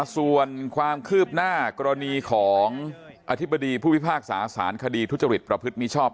ส่วนความคืบหน้ากรณีของอธิบดีผู้พิพากษาสารคดีทุจริตประพฤติมิชอบ